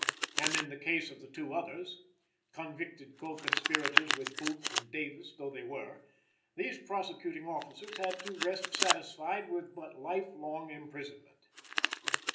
And in the case of the two others convicted co conspirators with Booth and Davis though they were these prosecuting officers had to rest satisfied with but life long imprisonment.